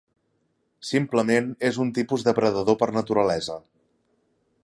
Simplement, és un tipus depredador per naturalesa.